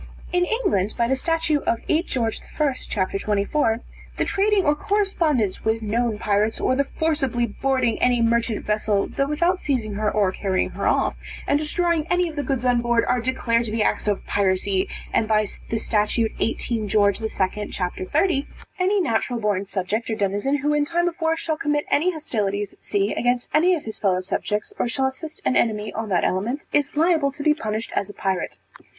In England by the statute of 8 George I, c. 24, the trading or corresponding with known pirates, or the forcibly boarding any merchant vessel, (though without seizing her or carrying her off,) and destroying any of the goods on board, are declared to be acts of piracy; and by the statute 18 George II. c. 30, any natural born subject or denizen who in time of war, shall commit any hostilities at sea, against any of his fellow subjects, or shall assist an enemy, on that element, is liable to be punished as a pirate.